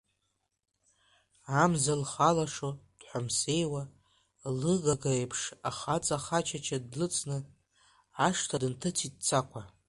Амза лхалашо, дҳәамсеиуа, лыгага еиԥш, ахаҵа хачача длыцны, ашҭа дынҭыҵит Цақәа.